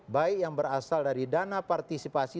baik yang berasal dari dana partisipasi